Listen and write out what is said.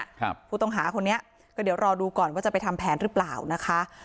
ครับผู้ต้องหาคนนี้ก็เดี๋ยวรอดูก่อนว่าจะไปทำแผนหรือเปล่านะคะ